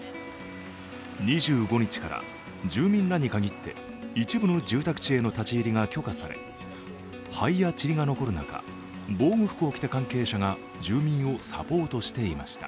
２５日から住民らに限って一部の住宅地への立ち入りが許可され、灰やちりが残る中、防護服を着た関係者が住民をサポートしていました。